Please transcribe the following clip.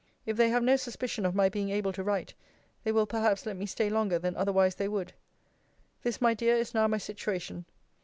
If they have no suspicion of my being able to write, they will perhaps let me stay longer than otherwise they would. This, my dear, is now my situation.